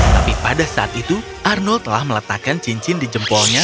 tapi pada saat itu arnold telah meletakkan cincin di jempolnya